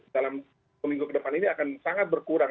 dalam dua minggu ke depan ini akan sangat berkurang